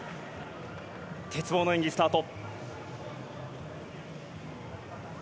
鉄棒の演技、スタート。